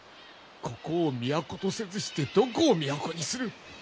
ここを都とせずしてどこを都にする！